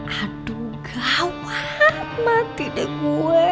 aduh gawat mati deh gue